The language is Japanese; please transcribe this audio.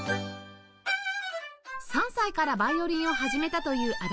３歳からヴァイオリンを始めたという安達さん